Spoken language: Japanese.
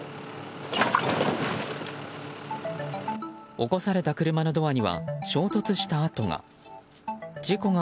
起こされた車のドアには衝突した跡が。